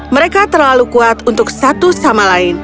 mereka terlalu kuat untuk satu sama lain